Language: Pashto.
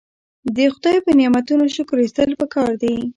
د خدای په نعمتونو شکر ایستل پکار دي.